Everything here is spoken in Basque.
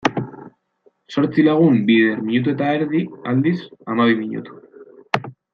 Zortzi lagun bider minutu eta erdi, aldiz, hamabi minutu.